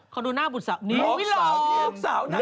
ขอดูหน้าบุตรศักดิ์นี้เหรอลูกสาวเย็น